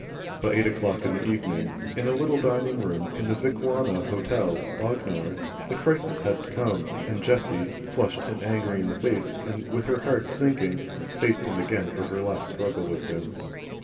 By eight o'clock in the evening, in a little dining room in the Vicuna Hotel, Bognor, the crisis had come, and Jessie, flushed and angry in the face and with her heart sinking, faced him again for her last struggle with him.